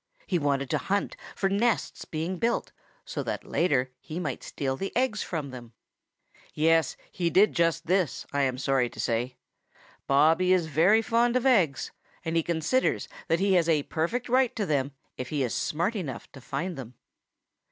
He wanted to hunt for nests being built, so that later he might steal the eggs from them. Yes, he did just this, I am sorry to say. Bobby is very fond of eggs, and he considers that he has a perfect right to them if he is smart enough to find them.